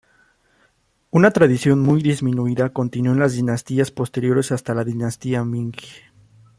Una tradición muy disminuida continuó en las dinastías posteriores hasta la dinastía Ming.